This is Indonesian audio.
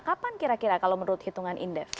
kapan kira kira kalau menurut hitungan indef